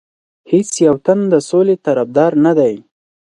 هیڅ یو تن د سولې طرفدار نه دی.